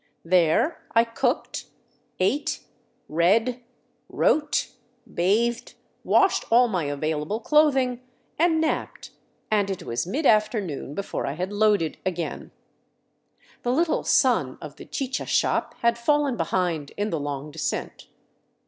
There I cooked, ate, read, wrote, bathed, washed all my available clothing, and 409 VAGABONDING DOWN THE ANDES napped, and it was mid afternoon before I had loaded again. The little son of the chicha shop had fallen behind in the long descent.